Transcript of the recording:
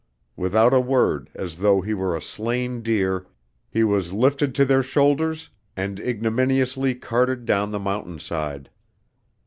Without a word, as though he were a slain deer, he was lifted to their shoulders and ignominiously carted down the mountain side.